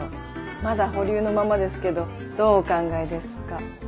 まだ保留のままですけどどうお考えですか？